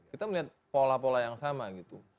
kita melihat pola pola yang sama gitu